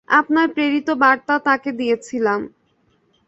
আপনার প্রেরিত বার্তা তাঁকে দিয়েছিলাম।